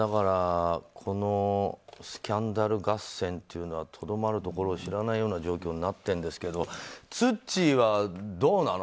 このスキャンダル合戦はとどまるところを知らないような状況になってるんですけどツッチーは、どうなの？